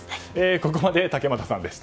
ここまで、竹俣さんでした。